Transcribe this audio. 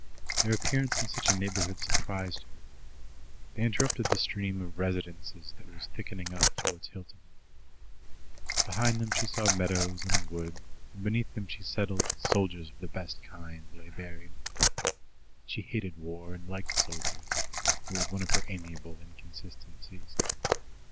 Their appearance in such a neighbourhood surprised her. They interrupted the stream of residences that was thickening up towards Hilton. Beyond them she saw meadows and a wood, and beneath them she settled that soldiers of the best kind lay buried. She hated war and liked soldiers it was one of her amiable inconsistencies.